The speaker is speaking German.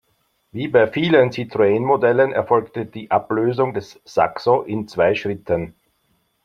Wie bei vielen Citroën-Modellen erfolgte die Ablösung des Saxo in zwei Schritten.